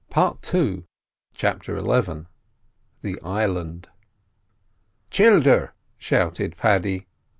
PART II CHAPTER XI THE ISLAND "Childer!" shouted Paddy.